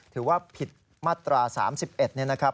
ถือว่าผิดมาตรา๓๑นี่นะครับ